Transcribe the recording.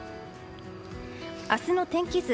明日の天気図。